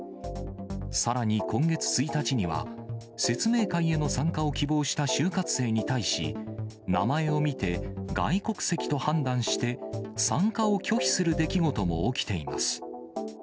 さらに今月１日には、説明会への参加を希望した就活生に対し、名前を見て、外国籍と判断して、参加を拒否する出来事も起きています。